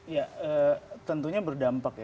ya tentunya berdampak ya